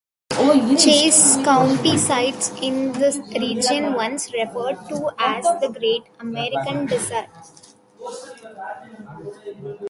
Chase County sits in the region once referred to as the Great American Desert.